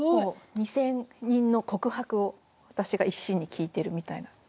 ２，０００人の告白を私が一身に聞いてるみたいな気持ちがします。